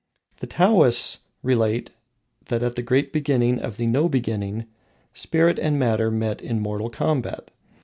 The Taoists relate that at the great beginning of the No Beginning, Spirit and Matter met in mortal combat.